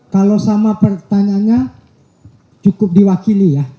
kalau sama pertanyaannya cukup diwakili ya